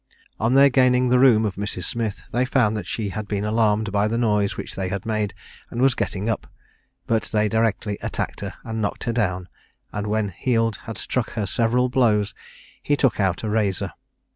On their gaining the room of Mrs. Smith, they found that she had been alarmed by the noise which they had made, and was getting up; but they directly attacked her, and knocked her down; and when Heald had struck her several blows, he took out a razor.